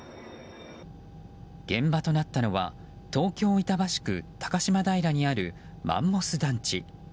現場となったのは東京・板橋区高島平にあるマンモス団地。